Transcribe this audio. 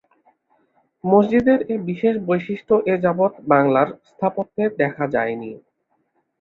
মসজিদের এ বিশেষ বৈশিষ্ট্য এ যাবৎ বাংলার স্থাপত্যে দেখা যায় নি।